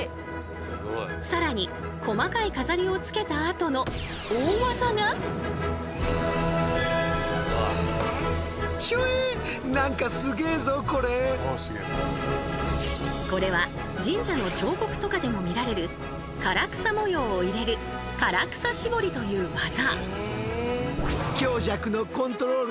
更に細かい飾りをつけたあとのこれは神社の彫刻とかでも見られる唐草模様を入れる唐草絞りという技。